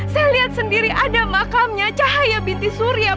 saya lihat sendiri ada makamnya cahaya binti surya